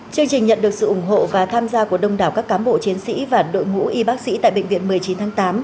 chương trình nhận được sự ủng hộ và tham gia của đông đảo các cám bộ chiến sĩ và đội ngũ y bác sĩ tại bệnh viện một mươi chín tháng tám